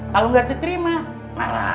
kalo nggak diterima marah